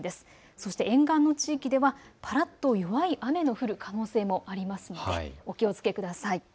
そして沿岸の地域ではぱらっと弱い雨の降る可能性もありますのでお気をつけください。